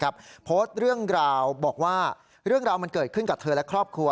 เบาบอกว่าเรื่องเรามันเกิดขึ้นกับเธอและครอบครัว